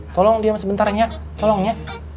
tolong diam sebentar ya tolong ya